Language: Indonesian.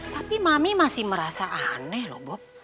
tapi mami masih merasa aneh loh bob